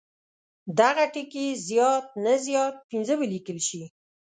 دغه ټکي زیات نه زیات پنځه ولیکل شي.